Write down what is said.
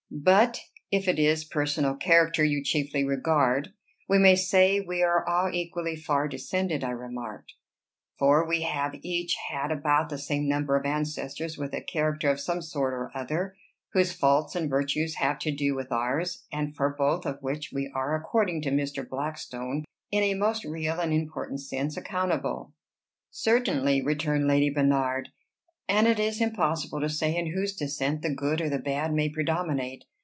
"But if it is personal character you chiefly regard, we may say we are all equally far descended," I remarked; "for we have each had about the same number of ancestors with a character of some sort or other, whose faults and virtues have to do with ours, and for both of which we are, according to Mr. Blackstone, in a most real and important sense accountable." "Certainly," returned Lady Bernard; "and it is impossible to say in whose descent the good or the bad may predominate.